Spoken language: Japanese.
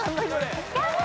頑張れ。